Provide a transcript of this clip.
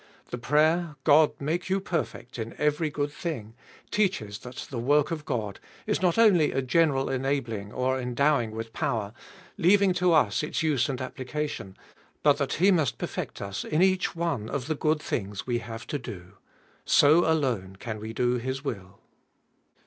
The prayer, God make you perfect in every good thing, teaches that the work of God is not only a general enabling or endowing with power, leaving to us its use and application, but that He must perfect us in each one of the good things we have to do ; so alone can we do His will.